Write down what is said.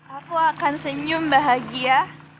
aku akan senyum bahagia